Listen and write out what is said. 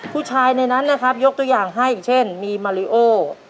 ผู้ชายในนั้นนะครับยกตัวอย่างให้เช่นมีมาริโอ